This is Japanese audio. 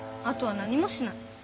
あとは何もしない。